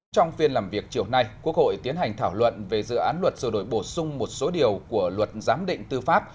trong phiên làm việc chiều nay quốc hội tiến hành thảo luận về dự án luật sửa đổi bổ sung một số điều của luật giám định tư pháp